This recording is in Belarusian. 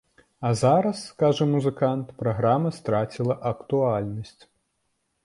А зараз, кажа музыкант, праграма страціла актуальнасць.